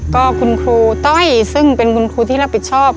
ก็คุณครูต้อยซึ่งเป็นคุณครูที่รับผิดชอบ